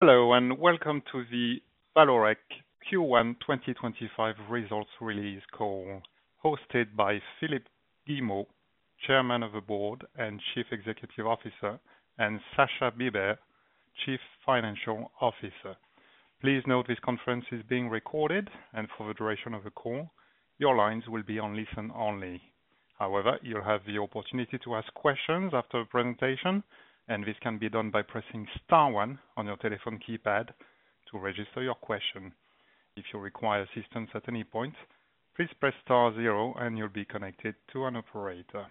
Hello, and welcome to the Vallourec Q1 2025 results release call, hosted by Philippe Guillemot, Chairman of the Board and Chief Executive Officer, and Sascha Bibert, Chief Financial Officer. Please note this conference is being recorded, and for the duration of the call, your lines will be on listen-only. However, you'll have the opportunity to ask questions after the presentation, and this can be done by pressing * 1 on your telephone keypad to register your question. If you require assistance at any point, please press * 0, and you'll be connected to an operator.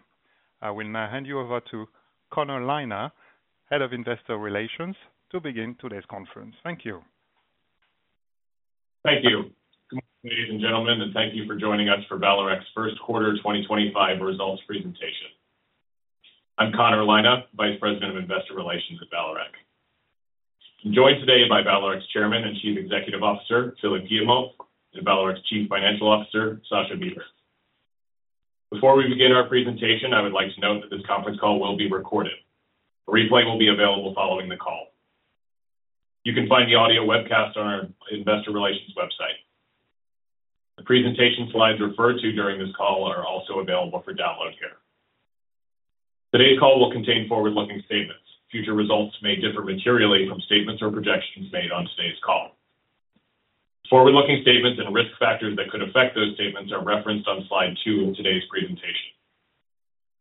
I will now hand you over to Connor Lynagh, Head of Investor Relations, to begin today's conference. Thank you. Thank you. Good morning, ladies and gentlemen, and thank you for joining us for Vallourec's First Quarter 2025 Results Presentation. I'm Connor Lynagh, Vice President of Investor Relations at Vallourec. I'm joined today by Vallourec's Chairman and Chief Executive Officer, Philippe Guillemot, and Vallourec's Chief Financial Officer, Sascha Bibert. Before we begin our presentation, I would like to note that this conference call will be recorded. A replay will be available following the call. You can find the audio webcast on our Investor Relations website. The presentation slides referred to during this call are also available for download here. Today's call will contain forward-looking statements. Future results may differ materially from statements or projections made on today's call. Forward-looking statements and risk factors that could affect those statements are referenced on slide 2 of today's presentation.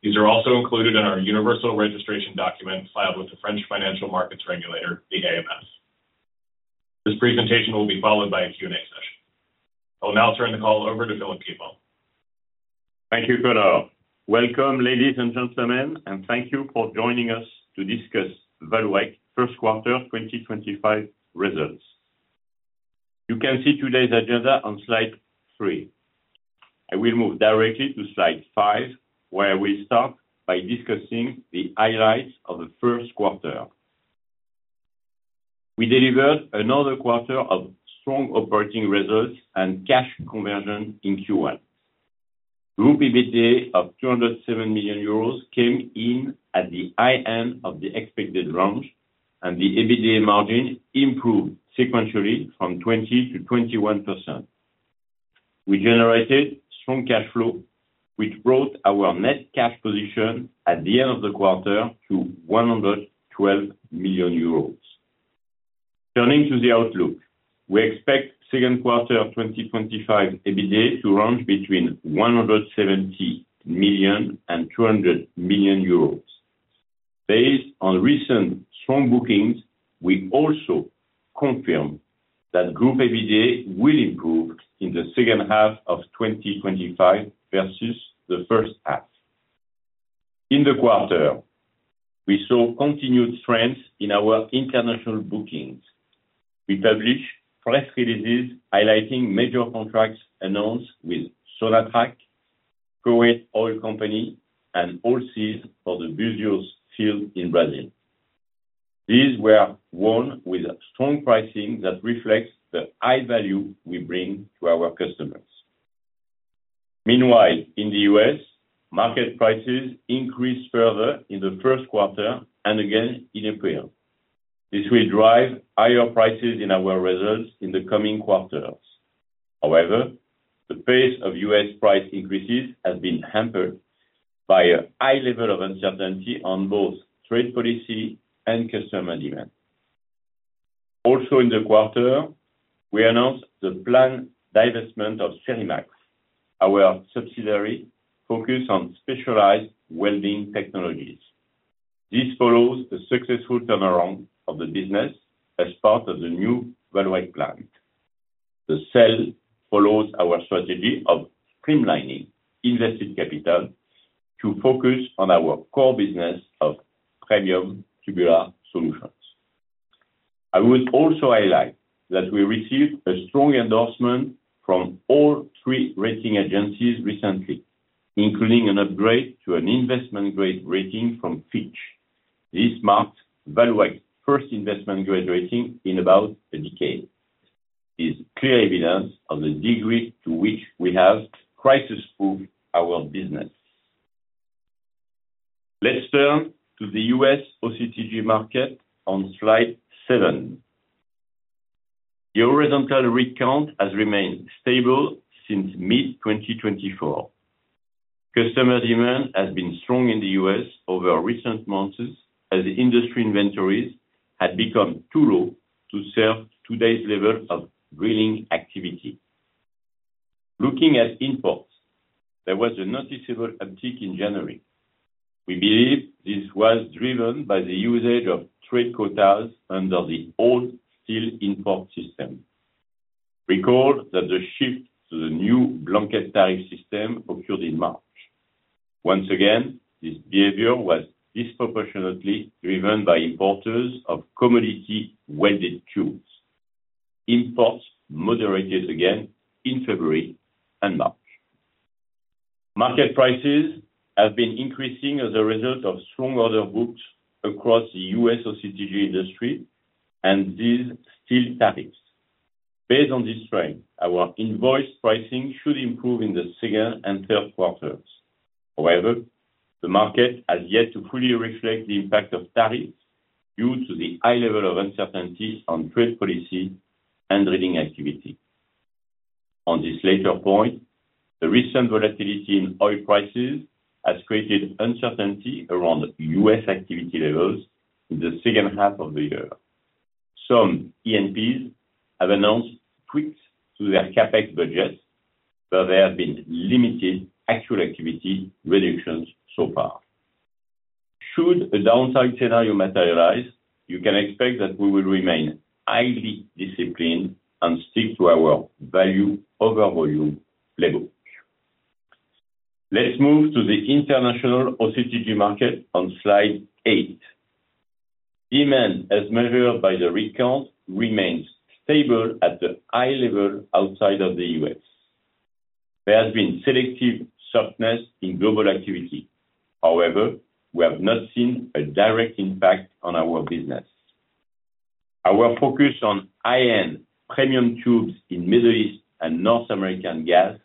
These are also included in our universal registration document filed with the French financial markets regulator, the AMF. This presentation will be followed by a Q&A session. I'll now turn the call over to Philippe Guillemot. Thank you, Connor. Welcome, ladies and gentlemen, and thank you for joining us to discuss Vallourec First Quarter 2025 results. You can see today's agenda on slide 3. I will move directly to slide 5, where we start by discussing the highlights of the first quarter. We delivered another quarter of strong operating results and cash conversion in Q1. Group EBITDA of 207 million euros came in at the high-end of the expected range, and the EBITDA margin improved sequentially from 20% to 21%. We generated strong cash flow, which brought our net cash position at the end of the quarter to 112 million euros. Turning to the outlook, we expect second quarter 2025 EBITDA to range between 170 million and 200 million euros. Based on recent strong bookings, we also confirm that group EBITDA will improve in the second half of 2025 versus the first half. In the quarter, we saw continued strength in our international bookings. We published press releases highlighting major contracts announced with Solatrac, Kuwait Oil Company, and Allseas for the Búzios field in Brazil. These were won with strong pricing that reflects the high-value we bring to our customers. Meanwhile, in the U.S., market prices increased further in the first quarter and again in April. This will drive higher prices in our results in the coming quarters. However, the pace of U.S. price increases has been hampered by a high level of uncertainty on both trade policy and customer demand. Also, in the quarter, we announced the planned divestment of Serimax, our subsidiary focused on specialized welding technologies. This follows the successful turnaround of the business as part of the new Worldwide plan. The sale follows our strategy of streamlining invested capital to focus on our core business of premium tubular solutions. I would also highlight that we received a strong endorsement from all three rating agencies recently, including an upgrade to an investment-grade rating from Fitch. This marked Vallourec's first investment-grade rating in about a decade. It is clear evidence of the degree to which we have crisis-proofed our business. Let's turn to the U.S. OCTG market on slide 7. The horizontal recount has remained stable since mid-2024. Customer demand has been strong in the U.S. over recent months as industry inventories had become too low to serve today's level of drilling activity. Looking at imports, there was a noticeable uptack in January. We believe this was driven by the usage of trade quotas under the old steel import system. Recall that the shift to the new blanket tariff system occurred in March. Once again, this behavior was disproportionately driven by importers of commodity welded pipes. Imports moderated again in February and March. Market prices have been increasing as a result of strong order books across the U.S. OCTG industry and these steel tariffs. Based on this trend, our invoice pricing should improve in the second and third quarters. However, the market has yet to fully reflect the impact of tariffs due to the high level of uncertainty on trade policy and drilling activity. On this later point, the recent volatility in oil prices has created uncertainty around U.S., activity levels in the second half of the year. Some ENPs have announced tweaks to their CapEx budgets, but there have been limited actual activity reductions so far. Should a downside scenario materialize, you can expect that we will remain highly disciplined and stick to our value over volume playbook. Let's move to the international OCTG market on slide 8. Demand, as measured by the rig count, remains stable at the high level outside of the U.S. There has been selective softness in global activity. However, we have not seen a direct impact on our business. Our focus on high-end premium tubes in Middle East and North American gas,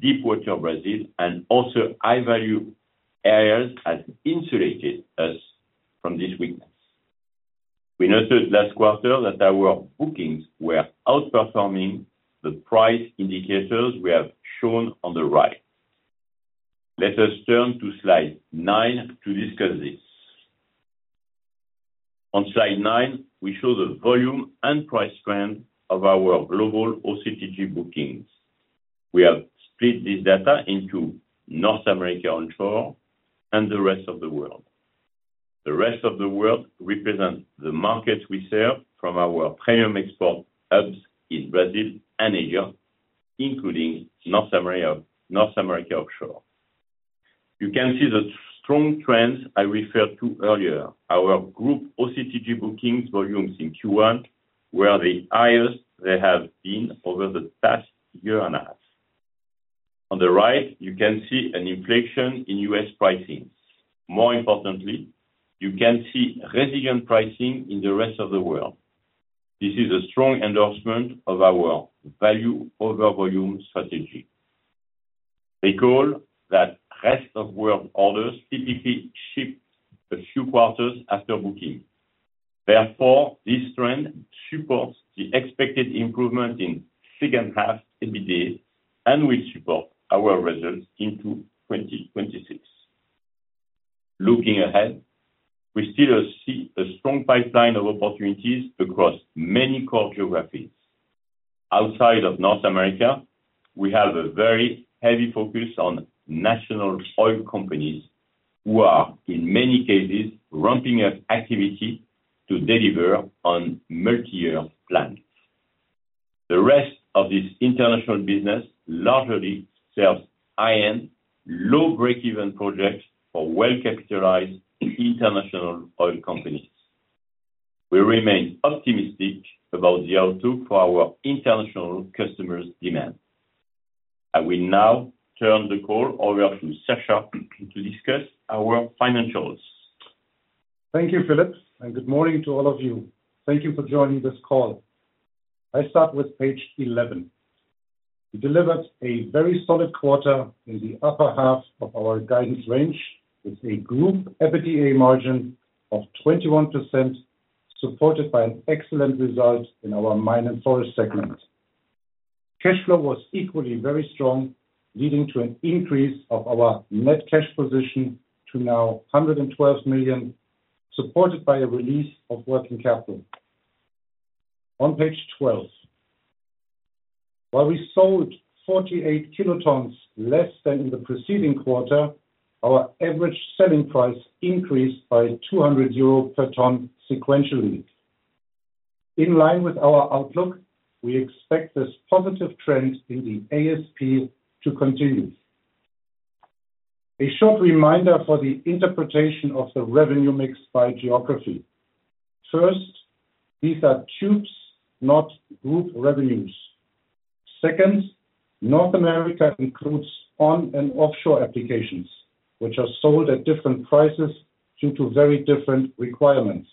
deepwater Brazil, and also high-value areas has insulated us from this weakness. We noticed last quarter that our bookings were outperforming the price indicators we have shown on the right. Let us turn to slide 9 to discuss this. On slide 9, we show the volume and price trend of our global OCTG bookings. We have split this data into North America onshore and the rest of the world. The rest of the world represents the markets we serve from our premium export hubs in Brazil and Asia, including North America offshore. You can see the strong trends I referred to earlier. Our group OCTG bookings volumes in Q1 were the highest they have been over the past year and a half. On the right, you can see an inflation in U.S., pricing. More importantly, you can see resilient pricing in the rest of the world. This is a strong endorsement of our value over volume strategy. Recall that rest-of-world orders typically shipped a few quarters after booking. Therefore, this trend supports the expected improvement in second-half EBITDA and will support our results into 2026. Looking ahead, we still see a strong pipeline of opportunities across many co-geographies. Outside of North America, we have a very heavy focus on national oil companies who are, in many cases, ramping up activity to deliver on multi-year plans. The rest of this international business largely serves high-end, low-break-even projects for well-capitalized international oil companies. We remain optimistic about the outlook for our international customers' demand. I will now turn the call over to Sascha to discuss our financials. Thank you, Philippe, and good morning to all of you. Thank you for joining this call. I'll start with page 11. We delivered a very solid quarter in the upper half of our guidance range with a group FDA margin of 21%, supported by an excellent result in our Mine and Forest segment. Cash flow was equally very strong, leading to an increase of our net cash position to now 112 million, supported by a release of working capital. On page 12, while we sold 48 kilotons less than in the preceding quarter, our average selling price increased by 200 euro per ton sequentially. In line with our outlook, we expect this positive trend in the ASP to continue. A short reminder for the interpretation of the revenue mix by geography. First, these are tubes, not group revenues. Second, North America includes on- and offshore applications, which are sold at different prices due to very different requirements.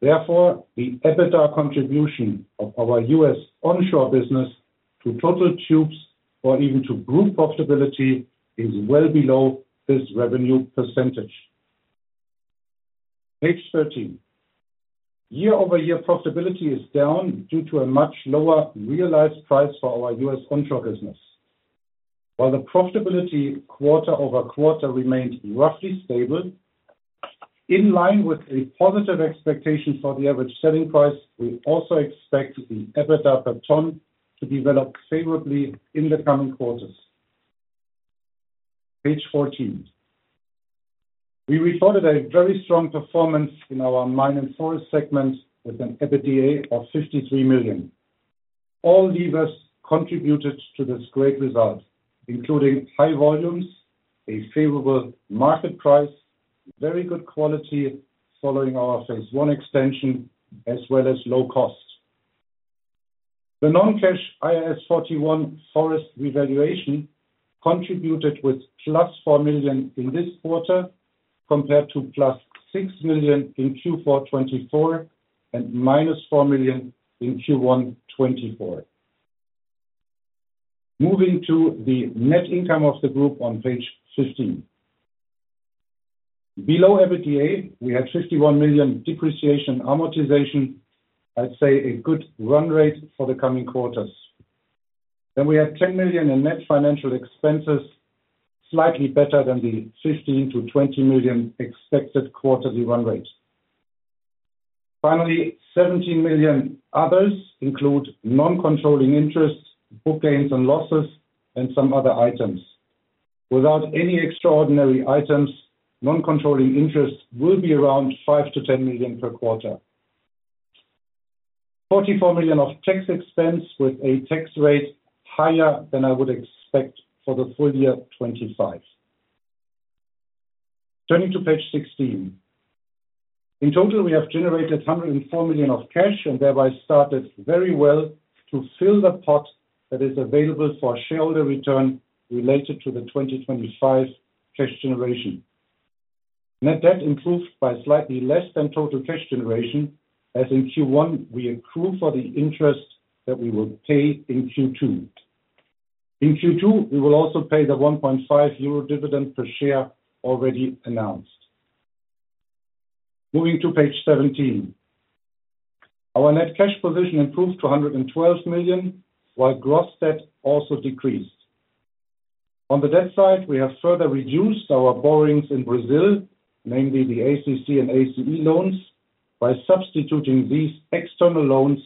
Therefore, the EBITDA contribution of our U.S., onshore business to total tubes or even to group profitability is well below this revenue percentage. Page 13, year-over-year profitability is down due to a much lower realized price for our U.S., onshore business. While the profitability quarter-over-quarter remained roughly stable, in line with a positive expectation for the average selling price, we also expect the EBITDA per ton to develop favorably in the coming quarters. Page 14, we reported a very strong performance in our mine and forest segment with an EBITDA of 53 million. All levers contributed to this great result, including high volumes, a favorable market price, very good quality following our phase one extension, as well as low cost. The non-cash IAS 41 forest revaluation contributed with plus 4 million in this quarter compared to plus 6 million in Q4 2024 and minus 4 million in Q1 2024. Moving to the net income of the group on page 15. Below EBITDA, we had 51 million depreciation amortization, I'd say a good run rate for the coming quarters. Then we had 10 million in net financial expenses, slightly better than the 15 million-20 million expected quarterly run rate. Finally, 17 million others include non-controlling interest, book gains and losses, and some other items. Without any extraordinary items, non-controlling interest will be around 5 million-10 million per quarter. 44 million of tax expense with a tax rate higher than I would expect for the full year 2025. Turning to page 16, in total, we have generated 104 million of cash and thereby started very well to fill the pot that is available for shareholder return related to the 2025 cash generation. Net debt improved by slightly less than total cash generation, as in Q1 we accrue for the interest that we will pay in Q2. In Q2, we will also pay the 1.5 euro dividend per share already announced. Moving to page 17, our net cash position improved to 112 million, while gross debt also decreased. On the debt side, we have further reduced our borrowings in Brazil, namely the ACC and ACE loans, by substituting these external loans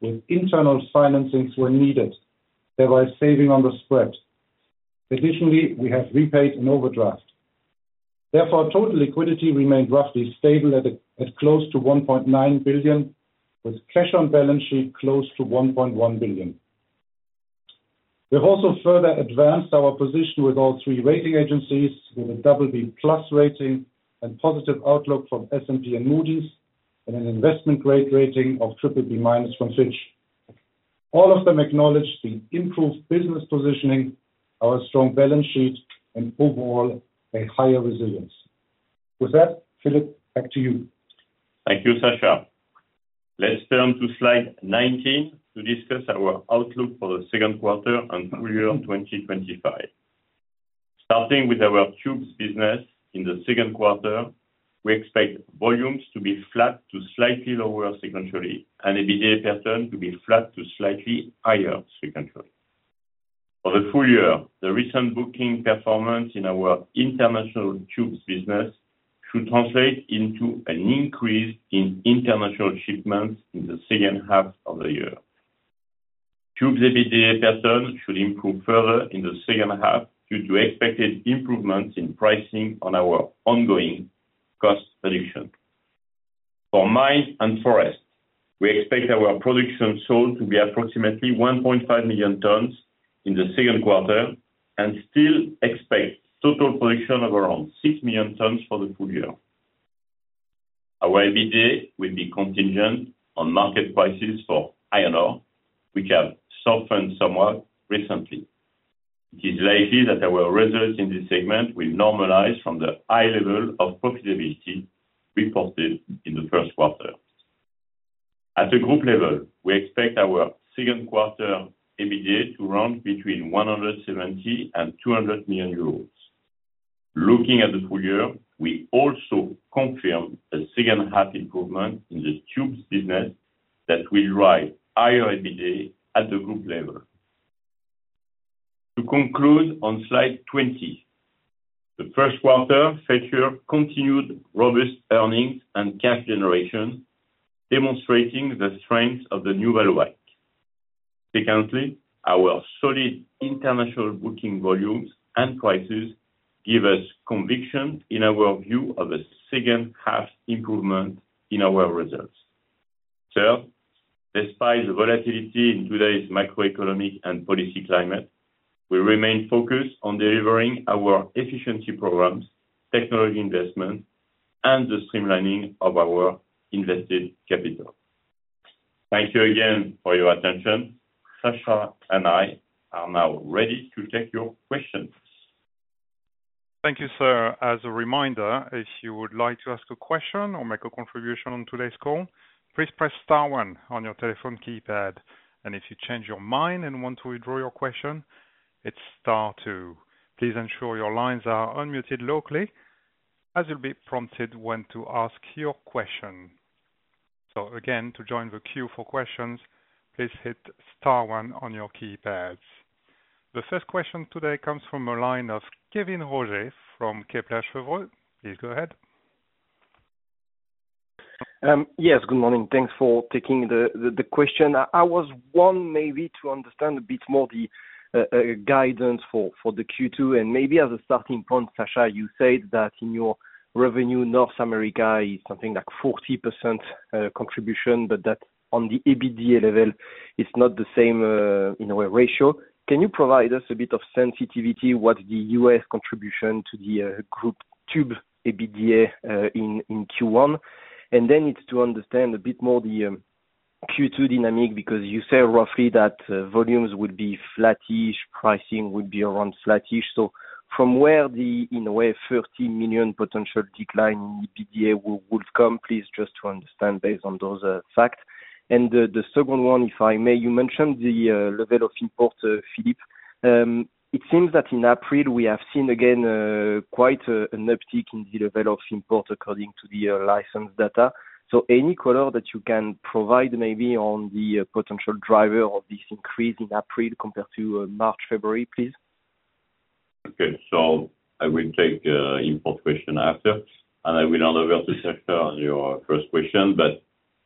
with internal financing when needed, thereby saving on the spread. Additionally, we have repaid an overdraft. Therefore, total liquidity remained roughly stable at close to 1.9 billion, with cash on balance sheet close to 1.1 billion. We have also further advanced our position with all three rating agencies with a BB+ rating and positive outlook from S&P and Moody's, and an investment-grade rating of BBB- from Fitch. All of them acknowledge the improved business positioning, our strong balance sheet, and overall a higher resilience. With that, Philippe, back to you. Thank you, Sascha. Let's turn to slide 19 to discuss our outlook for the second quarter and full year 2025. Starting with our tubes business in the second quarter, we expect volumes to be flat to slightly lower sequentially and EBITDA per ton to be flat to slightly higher sequentially. For the full year, the recent booking performance in our international tubes business should translate into an increase in international shipments in the second half of the year. Tubes EBITDA per ton should improve further in the second half due to expected improvements in pricing on our ongoing cost reduction. For mine and forest, we expect our production sold to be approximately 1.5 million in the second quarter and still expect total production of around 6 million for the full year. Our EBITDA will be contingent on market prices for iron ore, which have softened somewhat recently. It is likely that our results in this segment will normalize from the high level of profitability reported in the first quarter. At the group level, we expect our second quarter EBITDA to run between 170 million and 200 million euros. Looking at the full year, we also confirm a second-half improvement in the tubes business that will drive higher EBITDA at the group level. To conclude on slide 20, the first quarter featured continued robust earnings and cash generation, demonstrating the strength of the new Worldwide. Secondly, our solid international booking volumes and prices give us conviction in our view of a second-half improvement in our results. Third, despite the volatility in today's macroeconomic and policy climate, we remain focused on delivering our efficiency programs, technology investment, and the streamlining of our invested capital. Thank you again for your attention. Sascha and I are now ready to take your questions. Thank you, sir. As a reminder, if you would like to ask a question or make a contribution on today's call, please press star one on your telephone keypad. If you change your mind and want to withdraw your question, hit * two. Please ensure your lines are unmuted locally, as you'll be prompted when to ask your question. Again, to join the queue for questions, please hit * one on your keypads. The first question today comes from a line of Kévin Roger from Kepler Cheuvreux. Please go ahead. Yes, good morning. Thanks for taking the question. I was wanting may-be to understand a bit more the guidance for the Q2. Maybe as a starting point, Sascha, you said that in your revenue, North America is something like 40% contribution, but that on the EBITDA level, it's not the same in a way ratio. Can you provide us a bit of sensitivity? What's the U.S., contribution to the group tube EBITDA in Q1? Then it's to understand a bit more the Q2 dynamic because you said roughly that volumes would be flattish, pricing would be around flattish. From where the, in a way, 30 million potential decline in EBITDA would come, please just to understand based on those facts. The second one, if I may, you mentioned the level of import, Philippe. It seems that in April, we have seen again quite an uptick in the level of import according to the license data. Any color that you can provide maybe on the potential driver of this increase in April compared to March, February, please? Okay. I will take the import question after, and I will hand over to Sascha on your first question. The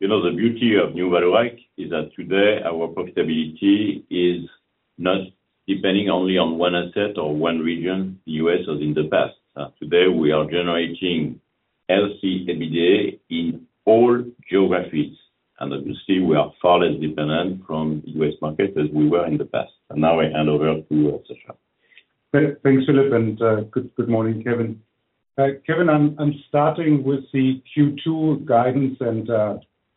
beauty of new Vallourec is that today, our profitability is not depending only on one asset or one region, the U.S., as in the past. Today, we are generating healthy EBITDA in all geographies. Obviously, we are far less dependent from the U.S., market as we were in the past. I hand over to Sascha. Thanks, Philippe, and good morning, Kevin. Kevin, I'm starting with the Q2 guidance and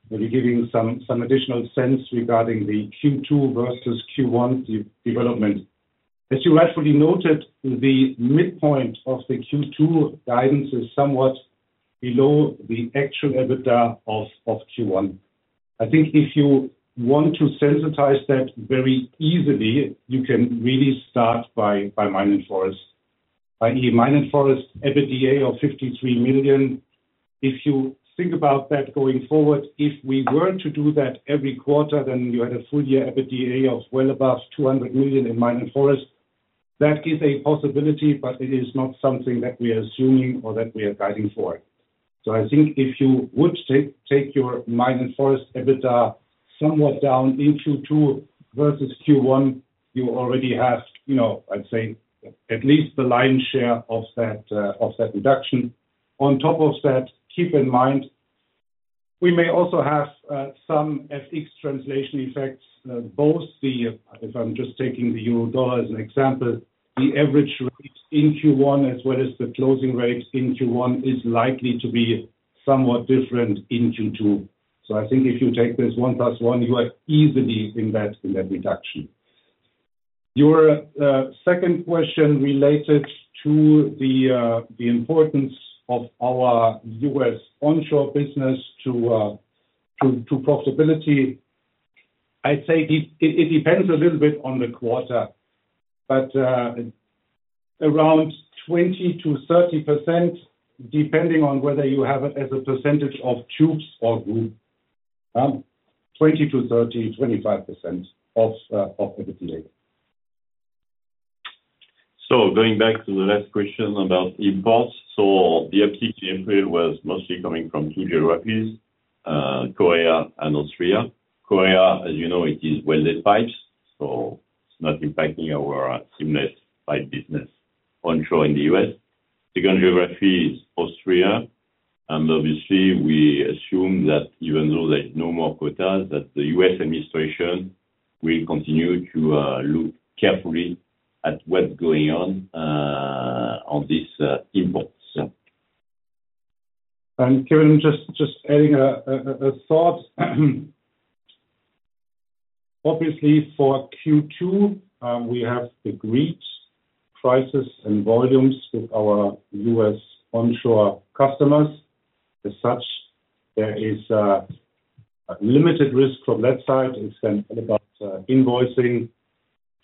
maybe giving some additional sense regarding the Q2 versus Q1 development. As you rightfully noted, the midpoint of the Q2 guidance is somewhat below the actual EBITDA of Q1. I think if you want to sensitize that very easily, you can really start by mine and forest. By mine and forest, EBITDA of 53 million. If you think about that going forward, if we were to do that every quarter, then you had a full year EBITDA of well above 200 million in mine and forest. That is a possibility, but it is not something that we are assuming or that we are guiding for. I think if you would take your mine and forest EBITDA somewhat down in Q2 versus Q1, you already have, I'd say, at least the lion's share of that reduction. On top of that, keep in mind we may also have some FX translation effects. Both the, if I'm just taking the euro dollar as an example, the average rate in Q1 as well as the closing rate in Q1 is likely to be somewhat different in Q2. I think if you take this one plus one, you are easily in that reduction. Your second question related to the importance of our US onshore business to profitability, I'd say it depends a little bit on the quarter, but around 20-30% depending on whether you have it as a percentage of tubes or group. 20-30, 25% of EBITDA. Going back to the last question about imports, the uptick in April was mostly coming from two geographies, Korea and Austria. Korea, as you know, it is welded pipes, so it's not impacting our seamless pipe business onshore in the U.S. The second geography is Austria. Obviously, we assume that even though there's no more quotas, the U.S., administration will continue to look carefully at what's going on on these imports. Kevin, just adding a thought. Obviously, for Q2, we have agreed prices and volumes with our U.S., onshore customers. As such, there is a limited risk from that side. It is then about invoicing.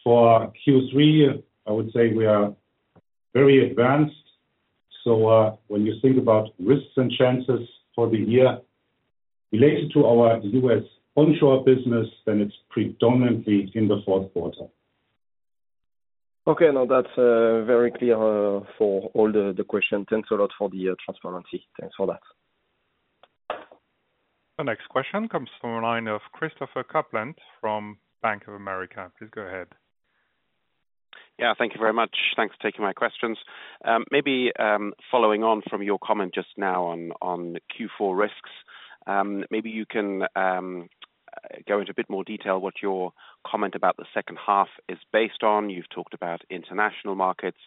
For Q3, I would say we are very advanced. When you think about risks and chances for the year related to our U.S., onshore business, then it is predominantly in the fourth quarter. Okay. No, that's very clear for all the questions. Thanks a lot for the transparency. Thanks for that. The next question comes from a line of Christopher Kuplent from Bank of America. Please go ahead. Yeah, thank you very much. Thanks for taking my questions. Maybe following on from your comment just now on Q4 risks, may-be you can go into a bit more detail what your comment about the second half is based on. You've talked about international markets,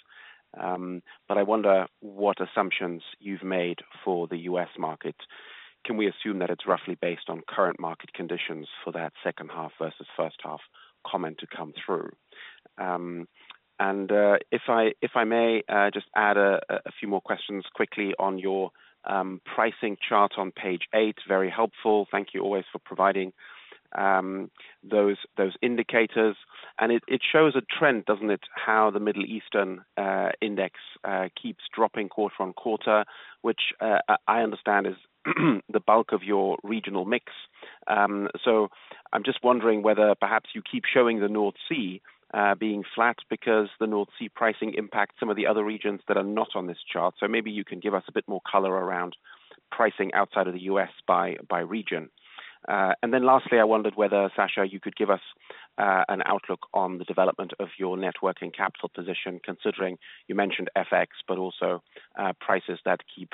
but I wonder what assumptions you've made for the U.S., market. Can we assume that it's roughly based on current market conditions for that second-half versus first-half comment to come through? If I may just add a few more questions quickly on your pricing chart on page eight, very helpful. Thank you always for providing those indicators. It shows a trend, doesn't it, how the Middle Eastern index keeps dropping quarter on quarter, which I understand is the bulk of your regional mix. I'm just wondering whether perhaps you keep showing the North Sea being flat because the North Sea pricing impacts some of the other regions that are not on this chart. Maybe you can give us a bit more color around pricing outside of the U.S., by region. Lastly, I wondered whether, Sascha, you could give us an outlook on the development of your network and capital position, considering you mentioned FX, but also prices that keep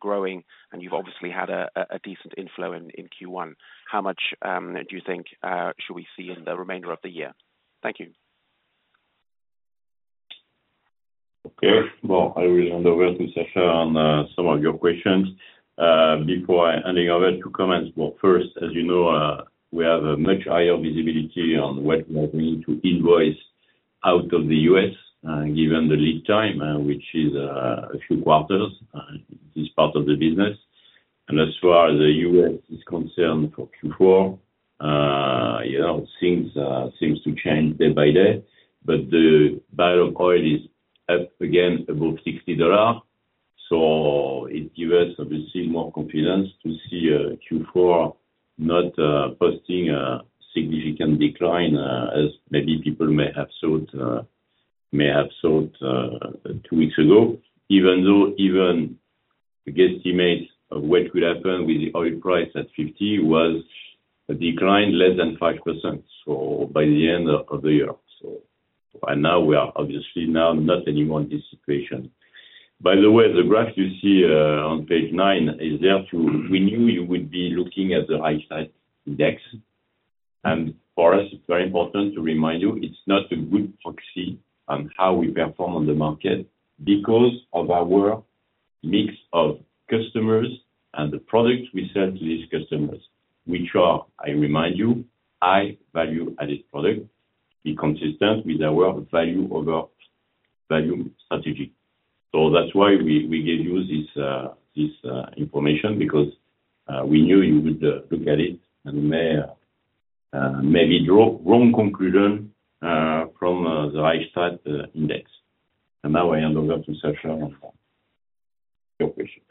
growing, and you've obviously had a decent inflow in Q1. How much do you think should we see in the remainder of the year? Thank you. Okay. I will hand over to Sascha on some of your questions. Before I hand over to comments, first, as you know, we have a much higher visibility on what we are going to invoice out of the U.S., given the lead time, which is a few quarters. It is part of the business. As far as the U.S., is concerned for Q4, things seem to change day by day. The barrel of oil is up again above $60. It gives us, obviously, more confidence to see Q4 not posting a significant decline, as maybe people may have thought two weeks ago, even though even the guesstimate of what will happen with the oil price at $50 was a decline less than 5% by the end of the year. Right now, we are obviously not anymore in this situation. By the way, the graph you see on page nine is there too. We knew you would be looking at the high-sized index. For us, it is very important to remind you it is not a good proxy on how we perform on the market because of our mix of customers and the products we sell to these customers, which are, I remind you, high-value added products, to be consistent with our value-over-value strategy. That is why we gave you this information because we knew you would look at it and maybe draw wrong conclusions from the high-sized index. I hand over to Sascha on your question.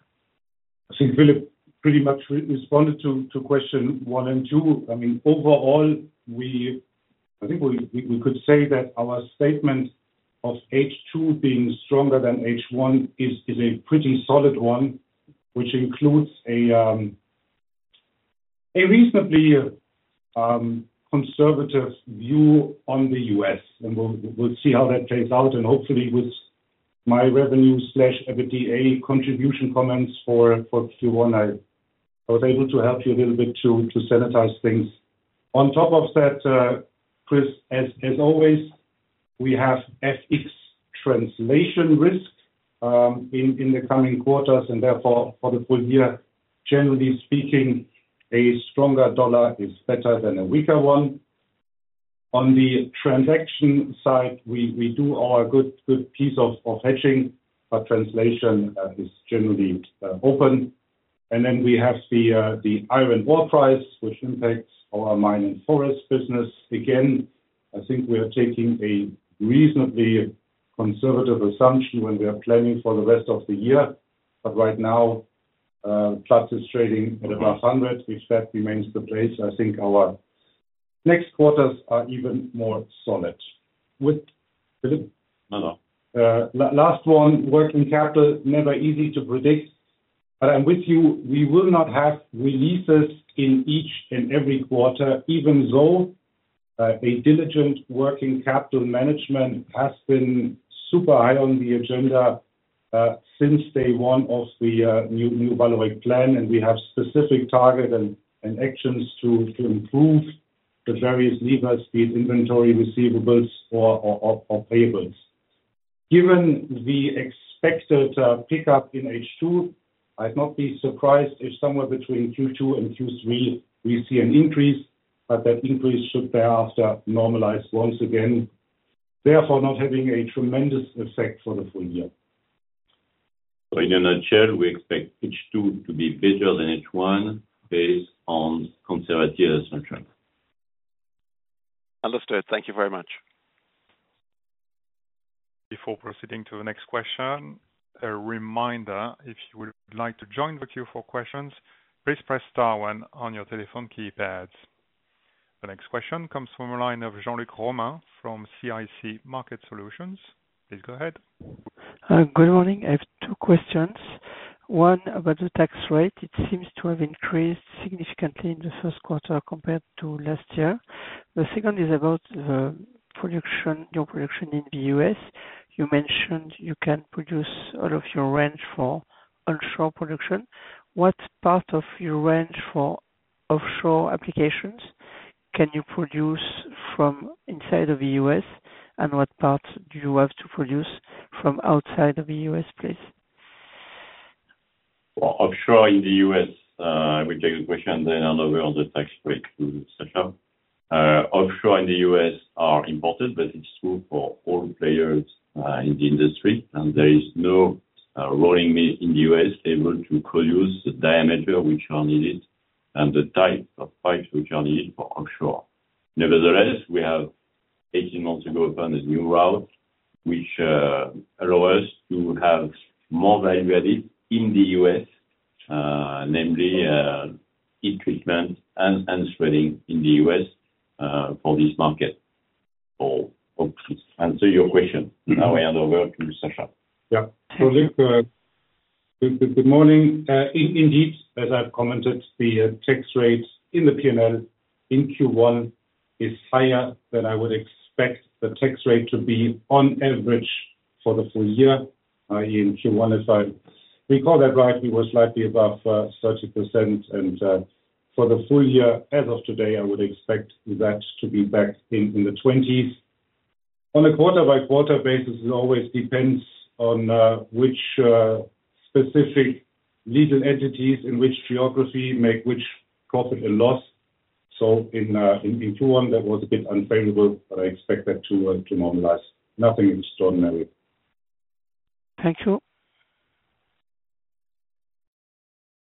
I think Philippe pretty much responded to question one and two. I mean, overall, I think we could say that our statement of H2 being stronger than H1 is a pretty solid one, which includes a reasonably conservative view on the U.S. We'll see how that plays out. Hopefully, with my revenue/EBITDA contribution comments for Q1, I was able to help you a little bit to sanitize things. On top of that, Chris, as always, we have FX translation risk in the coming quarters, and therefore, for the full year, generally speaking, a stronger dollar is better than a weaker one. On the transaction side, we do our good piece of hedging, but translation is generally open. We have the iron ore price, which impacts our mine and forest business. Again, I think we are taking a reasonably conservative assumption when we are planning for the rest of the year. Right now, plus is trading at above $100, which that remains the place. I think our next quarters are even more solid. Philippe? No, no. Last one, working capital, never easy to predict. I'm with you. We will not have releases in each and every quarter, even though a diligent working capital management has been super high on the agenda since day one of the new In a nutshell, we expect H2 to be better than H1 based on conservative assumptions. Understood. Thank you very much. Before proceeding to the next question, a reminder, if you would like to join the Q4 questions, please press * one on your telephone keypads. The next question comes from a line of Jean-Luc Romain from CIC Market Solutions. Please go ahead. Good morning. I have two questions. One about the tax rate. It seems to have increased significantly in the first quarter compared to last year. The second is about your production in the U.S. You mentioned you can produce all of your range for onshore production. What part of your range for offshore applications can you produce from inside of the U.S., and what part do you have to produce from outside of the U.S., please? Offshore in the U.S., I will take the question and then hand over the tax rate to Sascha. Offshore in the U.S., are imported, but it is true for all players in the industry. There is no rolling mill in the U.S., able to produce the diameters which are needed and the types of pipes which are needed for offshore. Nevertheless, we have 18 months to go upon a new route which allows us to have more value added in the U.S., namely heat treatment and shredding in the U.S., for this market. Hopefully, to answer your question, now I hand over to Sascha. Yeah. Philippe? Good morning. Indeed, as I've commented, the tax rate in the P&L in Q1 is higher than I would expect the tax rate to be on average for the full year, i.e., in Q1, if I recall that right, we were slightly above 30%. For the full year, as of today, I would expect that to be back in the 20s. On a quarter-by-quarter basis, it always depends on which specific legal entities in which geography make which profit and loss. In Q1, that was a bit unfavorable, but I expect that to normalize. Nothing extraordinary. Thank you.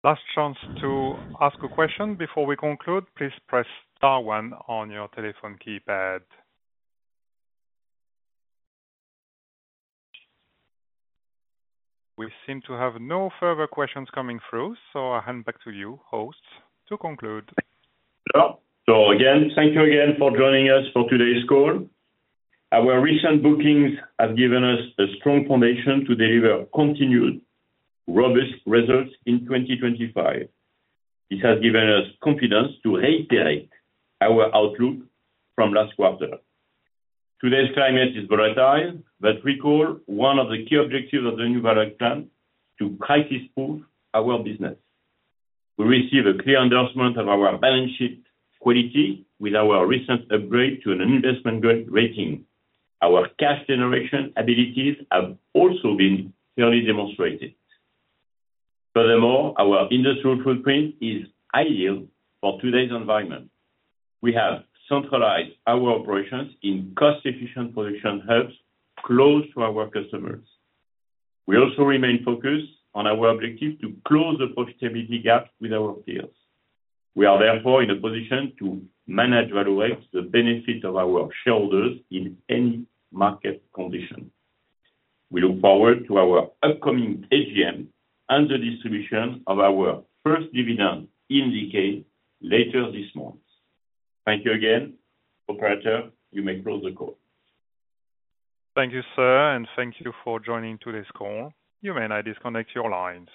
Last chance to ask a question before we conclude. Please press one on your telephone keypad. We seem to have no further questions coming through, so I hand back to you, host, to conclude. Thank you again for joining us for today's call. Our recent bookings have given us a strong foundation to deliver continued robust results in 2025. This has given us confidence to reiterate our outlook from last quarter. Today's climate is volatile, but recall one of the key objectives of the new Worldwide Plan: to crisis-proof our business. We receive a clear endorsement of our balance sheet quality with our recent upgrade to an investment grade. Our cash generation abilities have also been fairly demonstrated. Furthermore, our industrial footprint is ideal for today's environment. We have centralized our operations in cost-efficient production hubs close to our customers. We also remain focused on our objective to close the profitability gap with our peers. We are therefore in a position to manage Worldwide, the benefit of our shareholders in any market condition. We look forward to our upcoming AGM and the distribution of our first dividend indicated later this month. Thank you again, operator. You may close the call. Thank you, sir, and thank you for joining today's call. You may now disconnect your lines.